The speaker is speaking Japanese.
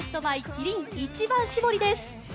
キリン一番搾り」です。